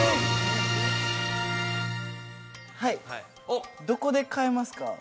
はいどこで買えますか？